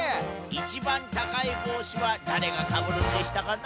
いちばんたかいぼうしはだれがかぶるんでしたかな？